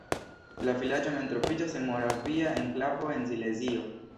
La vilaĝo mem troviĝas en moravia enklavo en Silezio.